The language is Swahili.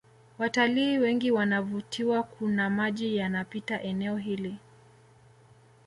Watalii wengi wanavutiwa kuna maji yanapita eneo hili